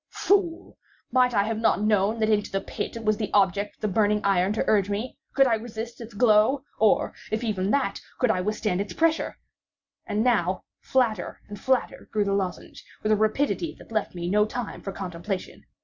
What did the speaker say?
Fool! might I have not known that into the pit it was the object of the burning iron to urge me? Could I resist its glow? or, if even that, could I withstand its pressure? And now, flatter and flatter grew the lozenge, with a rapidity that left me no time for contemplation.